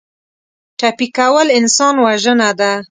ټپي کول انسان وژنه ده.